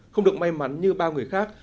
không được may mắn như bao người khác